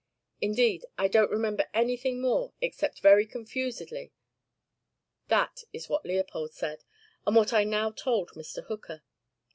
Indeed I don't remember anything more except very confusedly.' That is what Leopold said, and what I now told Mr. Hooker.